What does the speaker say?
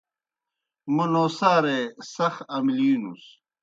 موْ نوسارے سخ املِینُس۔